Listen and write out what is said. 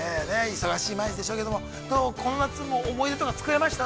忙しい毎日でしょうけど、この夏も思い出とかつくれました？